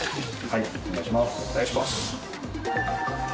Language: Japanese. はい。